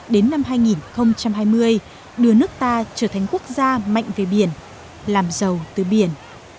đến năm hai nghìn hai mươi đưa nước ta trở thành quốc gia mạnh về biển làm giàu từ biển